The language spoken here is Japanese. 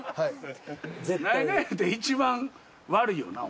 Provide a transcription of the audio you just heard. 一番悪いよな？